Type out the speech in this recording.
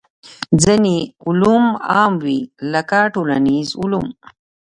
ځینې علوم عام وي لکه ټولنیز علوم.